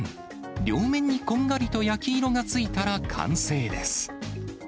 両面にこんがりと焼き色がついたら完成です。